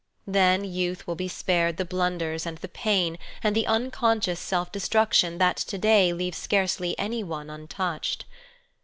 Then youth will be spared the blunders and the pain and the unconscious self destruction that to day leaves scarcely anyone untouched.